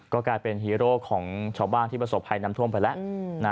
ก็กลายเป็นฮีโร่ของชาวบ้านที่ประสบภัยนำท่วมไปแล้ว